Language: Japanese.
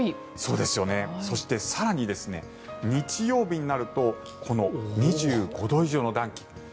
そして更に日曜日になると２５度以上の暖気